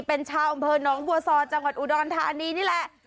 เป็นชาวอำเภอหนองบัวซอจังหวัดอุดรธานีนี่แหละ